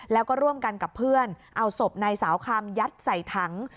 แล้วก็ร่วมกันกับเพื่อนเอาศพนายสาวคำยัดใส่ถัง